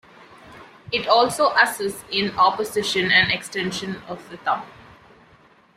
It also assists in opposition and extension of the thumb.